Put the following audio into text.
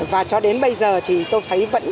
và cho đến bây giờ thì tôi thấy vẫn